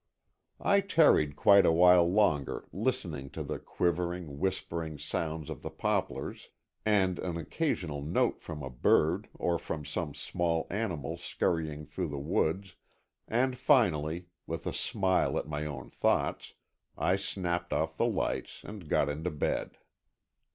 I tarried quite a while longer, listening to the quivering, whispering sounds of the poplars, and an occasional note from a bird or from some small animal scurrying through the woods, and finally, with a smile at my own thoughts, I snapped off the lights and got into bed.